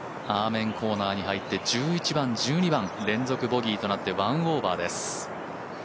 アーメンコーナーに入って１１番、１２番連続ボギーとなって１オーバーです。